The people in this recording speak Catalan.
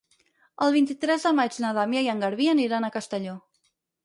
El vint-i-tres de maig na Damià i en Garbí aniran a Castelló.